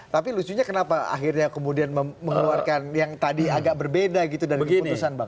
tapi lucunya kenapa akhirnya kemudian mengeluarkan yang tadi agak berbeda gitu dari keputusan bang